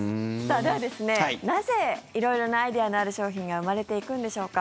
では、なぜ色々なアイデアのある商品が生まれていくんでしょうか。